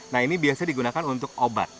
nah ini biasa digunakan untuk obat